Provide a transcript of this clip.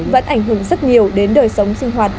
vẫn ảnh hưởng rất nhiều đến đời sống sinh hoạt